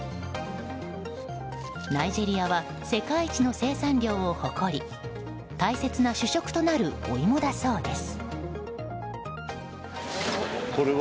ナイジェリアは世界一の生産量を誇り大切な主食となるおイモだそうです。